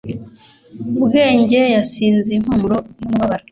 ubwenge yasinze impumuro yumubabaro